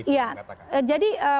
tahapan yang ya jadi